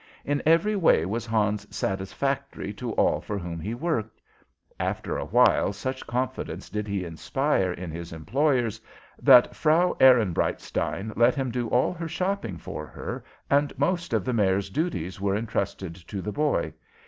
In every way was Hans satisfactory to all for whom he worked. After a while such confidence did he inspire in his employers that Frau Ehrenbreitstein let him do all her shopping for her, and most of the Mayor's duties were intrusted to the boy.